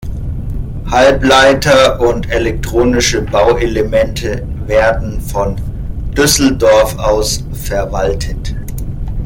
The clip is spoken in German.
Halbleiter- und elektronische Bauelemente werden von Düsseldorf aus verwaltet.